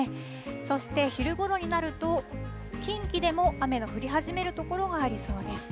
そして昼ごろになると、近畿でも雨の降り始める所がありそうです。